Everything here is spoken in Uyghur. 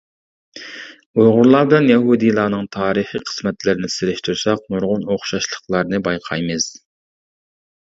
ئۇيغۇرلار بىلەن يەھۇدىيلارنىڭ تارىخى قىسمەتلىرىنى سېلىشتۇرساق نۇرغۇن ئوخشاشلىقلارنى بايقايمىز.